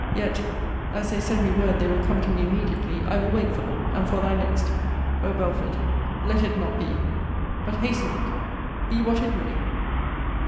Yet, as they send me word they will come to me immediately, I will wait for them, and for thy next. O Belford, let it not be But hasten it, be what it may!